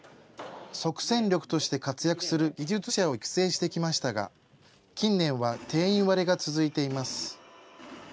即戦力として活躍する技術者を育成してきましたが、近年は定員割れが続いています。